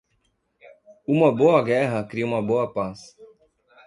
Uma boa guerra cria uma boa paz.